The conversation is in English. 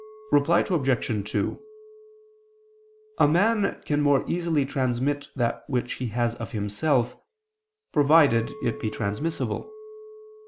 Reply Obj. 2: A man can more easily transmit that which he has of himself, provided it be transmissible.